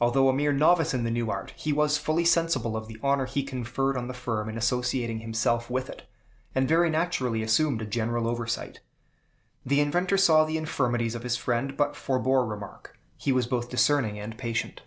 Although a mere novice in the new art, he was fully sensible of the honor he conferred on the firm in associating himself with it, and very naturally assumed a general oversight. The inventor saw the infirmities of his friend, but forebore remark. He was both discerning and patient.